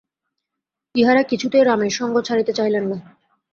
ইঁহারা কিছুতেই রামের সঙ্গ ছাড়িতে চাহিলেন না।